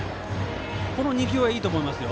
この２球はいいと思います。